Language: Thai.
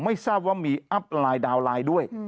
ไม่ทราบว่ามีอัพไลน์ดาวน์ไลน์ด้วย